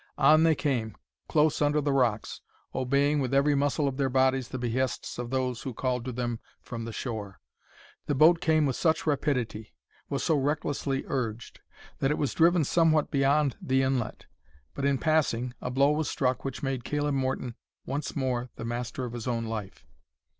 On they came, close under the rocks, obeying with every muscle of their bodies the behests of those who called to them from the shore. The boat came with such rapidity,—was so recklessly urged, that it was driven somewhat beyond the inlet; but in passing, a blow was struck which made Caleb Morton once more the master of his own life.